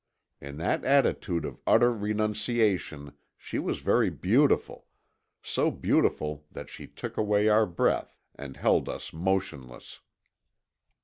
In that attitude of utter renunciation, she was very beautiful, so beautiful that she took away our breath and held us motionless.